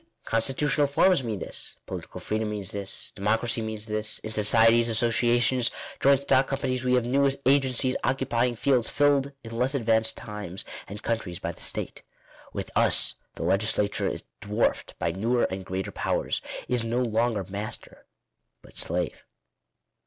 Constitutional forms mean this. Political freedom means this. Democracy means this. In societies, associations, joint stock companies, we have new agencies occupying fields filled in less advanced times and countries by the State. With us the legislature is dwarfed by newer and greater powers — is no longer master but slave.